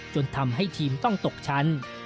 จนทำให้ทีมต้องตกชั้น